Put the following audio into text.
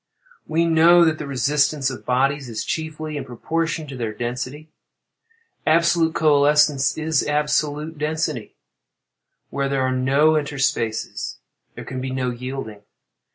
We know that the resistance of bodies is, chiefly, in proportion to their density. Absolute coalescence is absolute density. Where there are no interspaces, there can be no yielding.